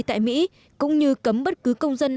tại mỹ cũng như cấm bất cứ công dân